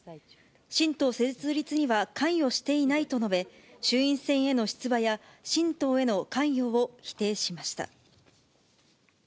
新党設立には関与していないと述べ、衆院選への出馬や新党への関与を否定しました。